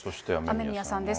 雨宮さんです。